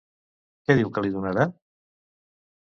Què diu que li donarà?